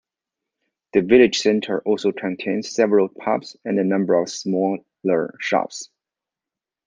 The village centre also contains several pubs and a number of smaller shops.